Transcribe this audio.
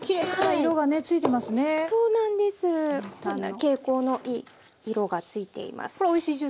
蛍光のいい色がついています。